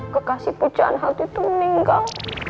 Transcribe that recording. kekasih pujaan hati tuh meninggal